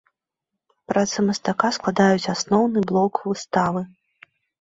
Працы мастака складаюць асноўны блок выставы.